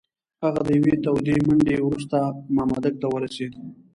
هغه د یوې تودې منډې وروسته مامدک ته ورسېد.